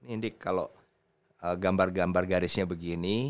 indik kalau gambar gambar garisnya begini